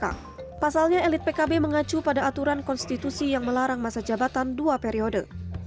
pasalnya elit pkb mengacu pada aturan konstitusi yang melarang masa jabatan dua periode